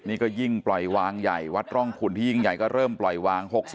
นี่ก็ยิ่งปล่อยวางใหญ่วัดร่องขุนที่ยิ่งใหญ่ก็เริ่มปล่อยวาง๖๐